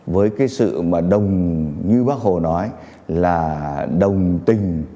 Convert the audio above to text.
với cái sự mà như bác hồ nói là đồng tình